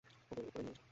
ওদের উপরে নিয়ে এসো।